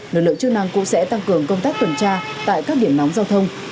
lực lượng chức năng cũng sẽ tăng cường công tác tuần tra tại các điểm nóng giao thông